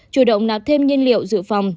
chủ động nạp thêm nhiên liệu dự phòng